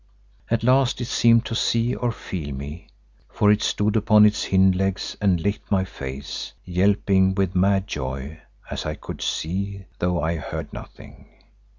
At last it seemed to see or feel me, for it stood upon its hind legs and licked my face, yelping with mad joy, as I could see though I heard nothing.